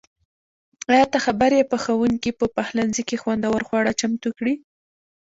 ایا ته خبر یې؟ پخونکي په پخلنځي کې خوندور خواړه چمتو کړي.